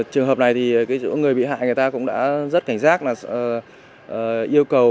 trường hợp này thì cái chỗ người bị hại người ta cũng đã rất cảnh giác là yêu cầu